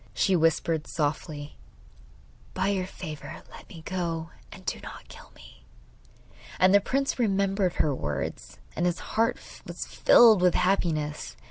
She whispered softly: 'By your favour let me go, and do not kill me.' And the prince remembered her words, and his heart was filled with happiness.